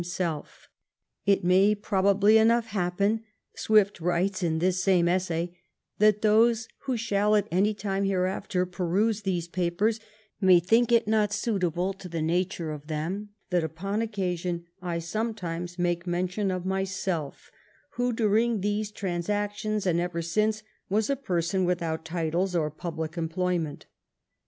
868 JONATHAN SWIFT'S VIEWS " It may probably enough happen," Swift writes in this same essay, '^ that those who shall at any time hereafter peruse these papers, may think it not suit able to the nature of them, that, upon occasion, I some times make mention of myself; who, during these transactions, and ever since, was a person without titles or public employment.